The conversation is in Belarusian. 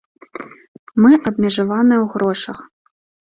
Мы абмежаваныя ў грошах.